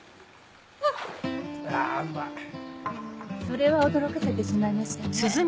それは驚かせてしまいましたね。